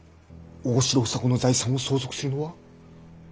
大城房子の財産を相続するのは。